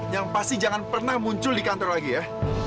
yang pasti jangan pernah muncul di kantor lagi ya